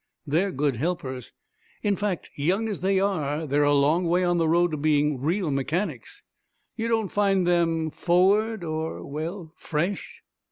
They're good helpers. In fact, young as they are, they are a long way on the road to being real mechanics." "You don't find them forward, or well, fresh?"